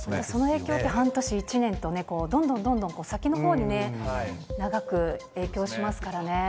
その影響って半年、１年とね、どんどんどんどん先のほうにね、長く影響しますからね。